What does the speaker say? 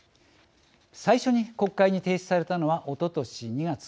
最初に国会に提出されたのはおととし２月。